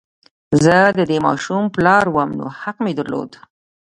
زه د دې ماشوم پلار وم نو حق مې درلود